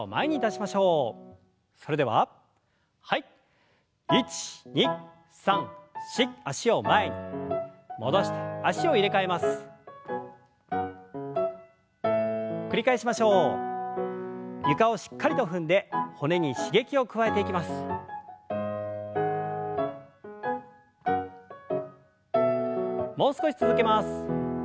もう少し続けます。